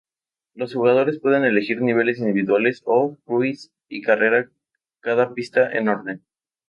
Los jugadores pueden elegir niveles individuales o "Cruise" y carrera cada pista en orden.